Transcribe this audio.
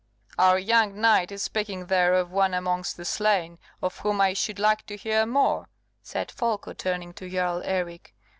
"Our young knight is speaking there of one amongst the slain of whom I should like to hear more," said Folko, turning to Jarl Eric.